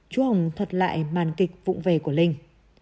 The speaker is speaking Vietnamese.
chú hồng thật lại màn kịch vụn về của linh